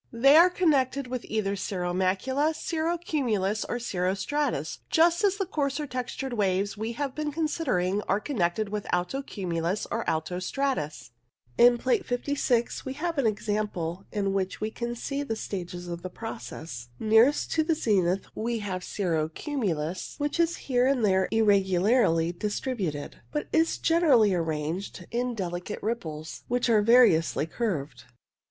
They are connected with either cirro macula, cirro cumulus, or cirro stratus, just as the coarser textured waves we have been considering are con nected with alto cumulus or alto stratus. In Plate 56 we have an example in which we can see the stages in the process. Nearest to the zenith we have cirro cumulus, which is here and there irregu larly distributed, but is generally arranged in deli cate ripples, which are variously curved.